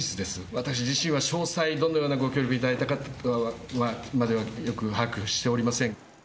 私自身は詳細、どのようなご協力をいただいたかまではよく把握しておりません。